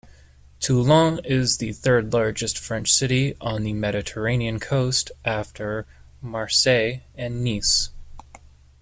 Toulon is the third-largest French city on the Mediterranean coast after Marseille and Nice.